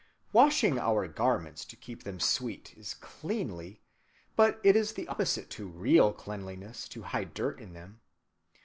"Washing our garments to keep them sweet is cleanly, but it is the opposite to real cleanliness to hide dirt in them.